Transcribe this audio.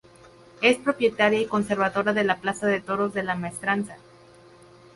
Es propietaria y conservadora de la plaza de toros de la Maestranza.